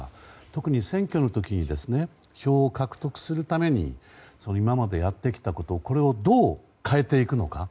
特に、選挙の時に票を獲得するために今までやってきたことこれをどう変えていくのか。